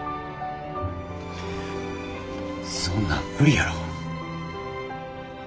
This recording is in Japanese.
そんなん無理やろ。